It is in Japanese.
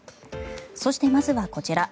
そして、まずはこちら。